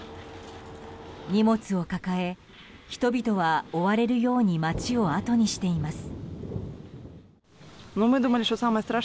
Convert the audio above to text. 荷物を抱え人々は追われるように街をあとにしています。